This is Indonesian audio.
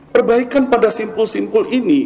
perbaikan pada simpul simpul ini